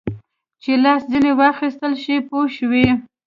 چې لاس ځینې واخیستل شي پوه شوې!.